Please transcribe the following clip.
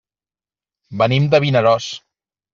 Venim de Vinaròs.